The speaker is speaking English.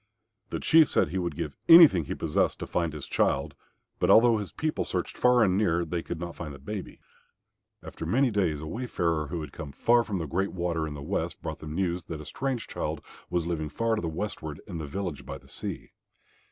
The Chief said he would give anything he possessed to find his child. But although his people searched far and near, they could not find the baby. After many days a wayfarer who had come far from the Great Water in the west brought them news that a strange child was living far to the westward in the village by the sea.